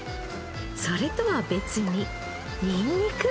それとは別にニンニク？